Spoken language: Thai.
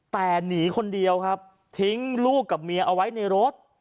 แต่หนีคนเดียวครับทิ้งลูกกับเมียเอาไว้ในรถ